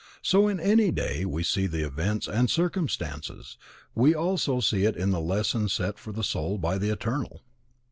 So in any day, we see events and circumstances; we also see in it the lesson set for the soul by the Eternal.